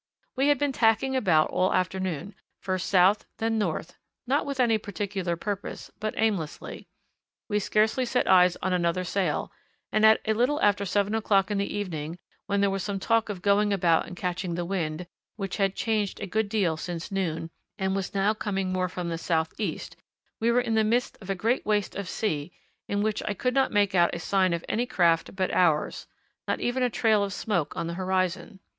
We had been tacking about all the afternoon, first south, then north, not with any particular purpose, but aimlessly. We scarcely set eyes on another sail, and at a little after seven o'clock in the evening, when there was some talk of going about and catching the wind, which had changed a good deal since noon and was now coming more from the southeast, we were in the midst of a great waste of sea in which I could not make out a sign of any craft but ours not even a trail of smoke on the horizon.